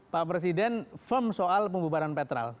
pak presiden firm soal pembubaran petrol